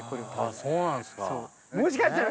ああそうなんですか。